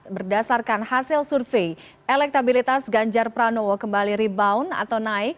berdasarkan hasil survei elektabilitas ganjar pranowo kembali rebound atau naik